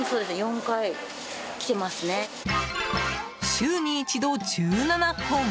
週に一度、１７本。